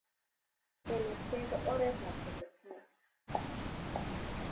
kenetkei ko oret ap ketestai